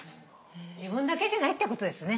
自分だけじゃないってことですね。